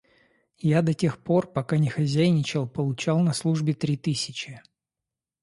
Я до тех пор, пока не хозяйничал, получал на службе три тысячи.